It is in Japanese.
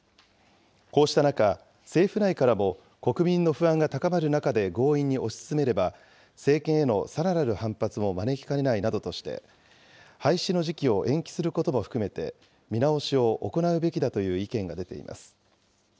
こうした中、政府内からも国民の不安が高まる中で強引に推し進めれば、政権へのさらなる反発も招きかねないなどとして、廃止の時期を延期することも含めて見直しを行うべきだという意見が出ています。